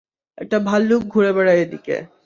একটা ভাল্লুক ঘুড়ে বেড়ায় এদিকে।